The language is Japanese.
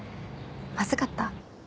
まずかった？